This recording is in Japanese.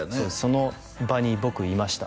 その場に僕いました